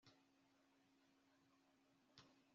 hanyuma bahura n'umugabo wihitiraga witwaga simoni w'i kurene